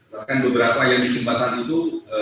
bahkan beberapa yang di jembatan itu